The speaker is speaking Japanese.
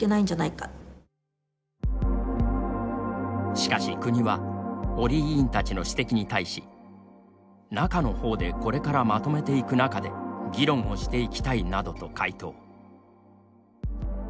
しかし国は織委員たちの指摘に対し「中の方でこれからまとめていく中で議論をしていきたい」などと回答。